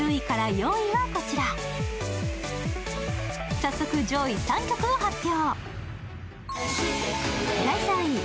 早速、上位３曲を発表。